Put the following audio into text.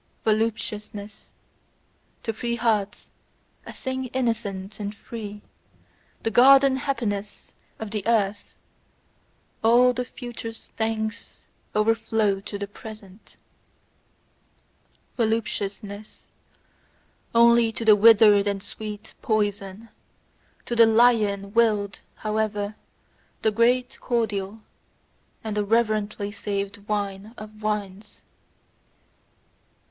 Voluptuousness: to free hearts, a thing innocent and free, the garden happiness of the earth, all the future's thanks overflow to the present. Voluptuousness: only to the withered a sweet poison; to the lion willed, however, the great cordial, and the reverently saved wine of wines.